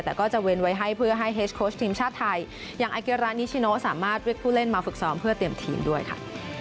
แต่ก็จะเว้นไว้ให้เพื่อให้เฮสโค้ชทีมชาติไทยอย่างอาเกียรานิชิโนสามารถเรียกผู้เล่นมาฝึกซ้อมเพื่อเตรียมทีมด้วยค่ะ